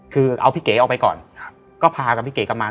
คือเอาพี่เก๋ออกไปก่อนก็พากับพี่เก๋กลับมา